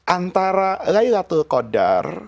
antara laylatul qadar